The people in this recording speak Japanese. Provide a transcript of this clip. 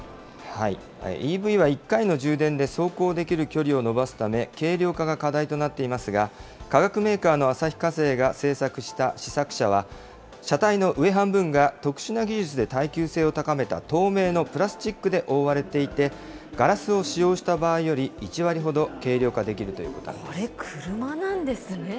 ＥＶは、１回の充電で走行できる距離を伸ばすため軽量化が課題となっていますが、化学メーカーの旭化成が製作した試作車は、車体の上半分が特殊な技術で耐久性を高めた透明のプラスチックで覆われていて、ガラスを使用した場合より１割ほど軽量化できるとこれ、車なんですね。